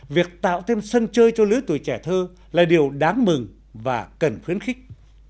việc tạo thêm sân chơi cho lứa tuổi trẻ thơ là điều đáng mừng và cần khuyến khích